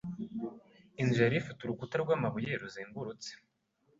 Inzu yari ifite urukuta rw'amabuye ruzengurutse.